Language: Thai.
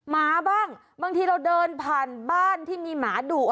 หมาบ้างบางทีเราเดินผ่านบ้านที่มีหมาดุ